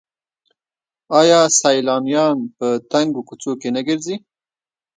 آیا سیلانیان په تنګو کوڅو کې نه ګرځي؟